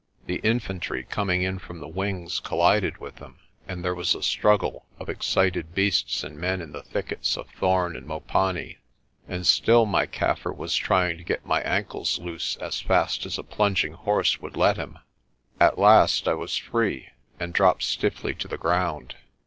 The infantry coming in from the wings collided with them and there was a struggle of excited beasts and men in the thickets of thorn and mopani. And still my Kaffir was trying to get my ankles loose as fast as a plunging horse would let him. At last I was free and dropped stiffly to the ground.